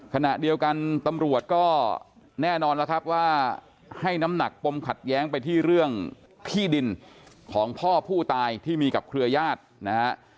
ขณะเดียวกันตำรวจก็แน่นอนแล้วครับว่าให้น้ำหนักปมขัดแย้งไปที่เรื่องที่ดินของพ่อผู้ตายที่มีกับเครือญาตินะฮะ